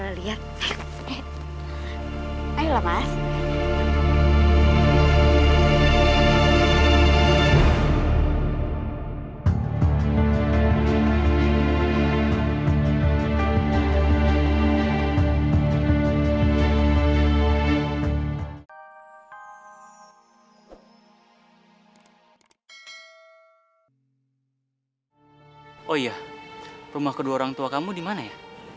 oh iya rumah kedua orang tua kamu dimana ya